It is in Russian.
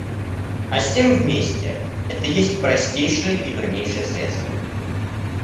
А с тем вместе это есть простейшее и вернейшее средство.